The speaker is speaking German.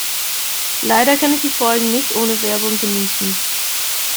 Leider kann ich die Folgen nicht ohne Werbung genießen.